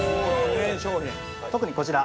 特にこちら。